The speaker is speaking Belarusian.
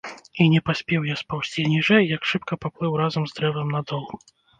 І не паспеў я спаўзці ніжэй, як шыбка паплыў разам з дрэвам на дол.